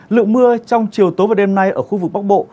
lượng mưa trong chiều tối và đêm nay ở khu vực bắc bộ